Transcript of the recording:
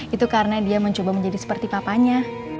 itu karena dia mencoba menjadi seperti papanya